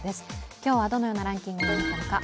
今日はどのようなランキングになったのか。